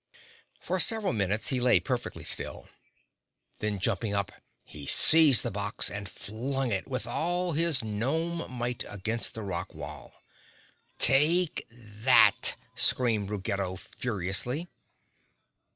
For several minutes he lay perfectly still; then jumping up he seized the box and flung it with all his gnome might against the rock wall. "Take that!" screamed Ruggedo furiously.